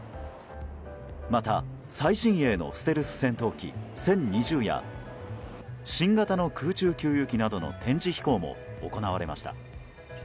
また、最新鋭のステルス戦闘機「殲２０」や新型の空中給油機などの展示飛行も行われました。